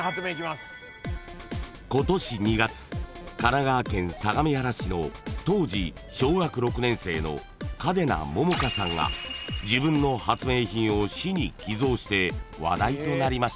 ［今年２月神奈川県相模原市の当時小学６年生の嘉手納杏果さんが自分の発明品を市に寄贈して話題となりました］